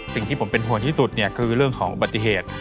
สิ่งที่ผมเป็นห่วงที่สุดเนี่ยคือเรื่องของอุบัติเหตุ